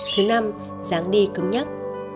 thứ năm dáng đi cứng nhắc